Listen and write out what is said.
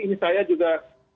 ini saya juga